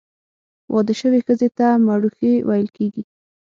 واده سوي ښځي ته، مړوښې ویل کیږي.